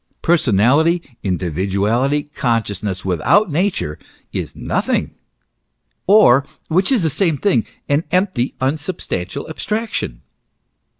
Personality, individuality, consciousness, without Nature, is nothing ; or, which is the same thing, an empty, unsubstantial abstraction.